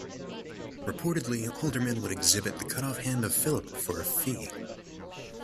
Reportedly, Alderman would exhibit the cut-off hand of Philip for a fee.